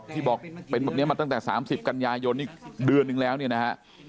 ที่บอกเป็นแบบนี้มาตั้งแต่๓๐กันยายนอีกเดือนนึงแล้วเนี่ยนะฮะ